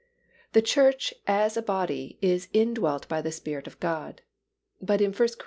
The Church as a body is indwelt by the Spirit of God. But in 1 Cor.